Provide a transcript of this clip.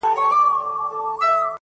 • گراني ټوله شپه مي.